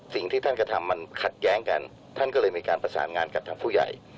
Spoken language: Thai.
สิ่งที่ท่านกระทำมันขัดแย้งกันท่านก็เลยมีการประสานงานกับทางผู้ใหญ่